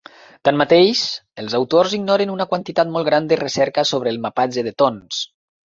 Tanmateix, els autors ignoren una quantitat molt gran de recerca sobre el mapatge de tons.